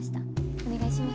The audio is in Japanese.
お願いします。